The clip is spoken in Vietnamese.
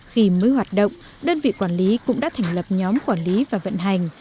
khi mới hoạt động đơn vị quản lý cũng đã thành lập nhóm quản lý và vận hành